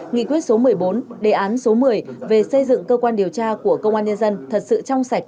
nghị quyết số một mươi bốn đề án số một mươi về xây dựng cơ quan điều tra của công an nhân dân thật sự trong sạch